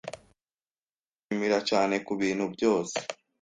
Ndabashimira cyane kubintu byose.